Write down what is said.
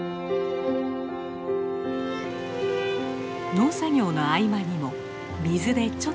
農作業の合間にも水でちょっと一息。